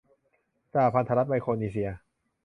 สหพันธรัฐไมโครนีเซีย